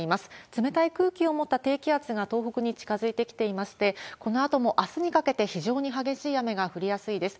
冷たい空気を持った低気圧が東北に近づいてきていまして、このあともあすにかけて非常に激しい雨が降りやすいです。